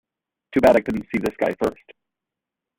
Too bad I couldn't see this guy first.